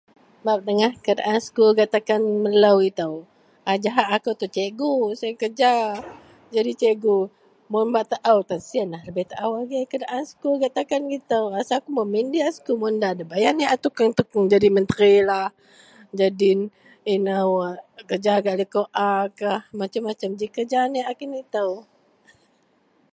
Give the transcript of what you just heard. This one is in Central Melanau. Bak pedengah keadaan sekul gak takan melo ito. A jahak akou cikgu siyen kerja jadi cikgu. Mun bak taou siyen lebeh taou keadaan sekul gak takan ito. Rasa kaou min-min diyak sekul mun bei dabei anek a tukeang sekul jadi menteri kah, kerja gak liko a kah, masem-masem ji kerja anek kedito.